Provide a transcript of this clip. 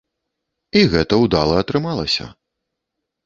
І гэта ўдала атрымалася.